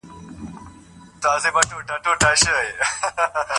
د سینې سرطان سکرینینګ پروګرام ګټور دی.